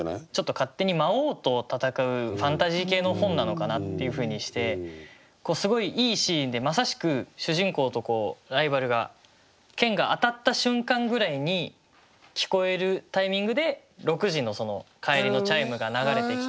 勝手に魔王と戦うファンタジー系の本なのかなっていうふうにしてすごいいいシーンでまさしく主人公とライバルが剣が当たった瞬間ぐらいに聞こえるタイミングで６時の帰りのチャイムが流れてきて。